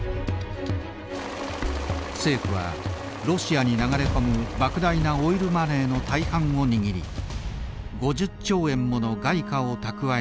政府はロシアに流れ込むばく大なオイルマネーの大半を握り５０兆円もの外貨を蓄えていました。